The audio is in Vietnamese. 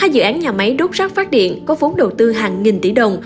hai dự án nhà máy đốt rác phát điện có vốn đầu tư hàng nghìn tỷ đồng